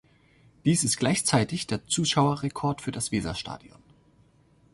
Dies ist gleichzeitig der Zuschauerrekord für das Weserstadion.